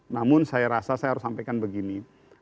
namun saya rasa saya harus sampaikan begini